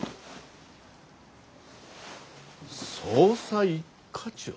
捜査一課長？